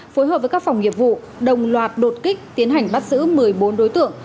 phối hợp với các phòng nghiệp vụ đồng loạt đột kích tiến hành bắt giữ một mươi bốn đối tượng